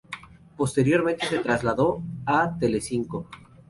Posteriormente se trasladó a Telecinco.